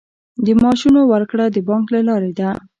د معاشونو ورکړه د بانک له لارې ده